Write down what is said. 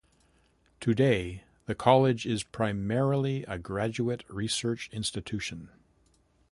Today the College is primarily a graduate research institution.